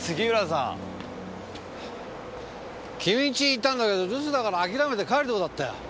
君ん家行ったんだけど留守だから諦めて帰るとこだったよ。